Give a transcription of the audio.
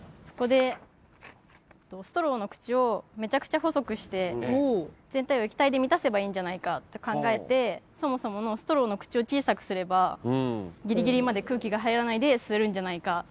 そこでストローの口をめちゃくちゃ細くして全体を液体で満たせばいいんじゃないかって考えてそもそものストローの口を小さくすればギリギリまで空気が入らないで吸えるんじゃないか。